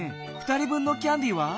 ２人分のキャンディーは？